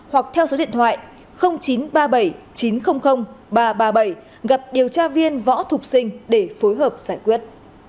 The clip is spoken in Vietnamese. hoặc theo số điện thoại chín trăm ba mươi bảy chín trăm linh ba trăm ba mươi bảy gặp điều tra viên võ thục sinh để phối hợp giải quyết